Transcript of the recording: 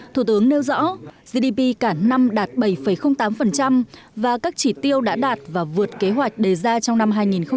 thủ tướng nêu rõ gdp cả năm đạt bảy tám và các chỉ tiêu đã đạt và vượt kế hoạch đề ra trong năm hai nghìn hai mươi